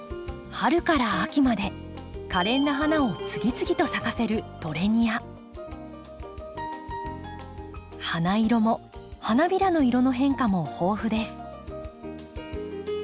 春から秋までかれんな花を次々と咲かせる花色も花びらの色の変化も豊富です。